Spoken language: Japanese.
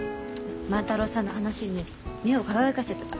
万太郎さんの話に目を輝かせてた。